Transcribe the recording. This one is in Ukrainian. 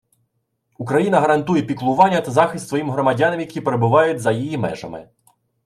Україна гарантує піклування та захист своїм громадянам, які перебувають за її межами